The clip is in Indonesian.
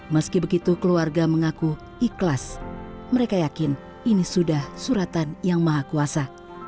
meski begitu keluarga mengaku ikhlas mereka yakin ini sudah suratan yang maha kuasa